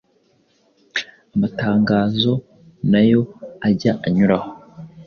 Amatangazo na yo ajya anyuraho